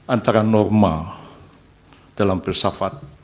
antara norma dalam filsafat